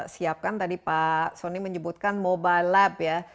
siapkan tadi pak sony menyebutkan mobile lab ya